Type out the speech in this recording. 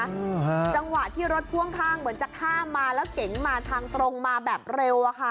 อืมฮะจังหวะที่รถพ่วงข้างเหมือนจะข้ามมาแล้วเก๋งมาทางตรงมาแบบเร็วอะค่ะ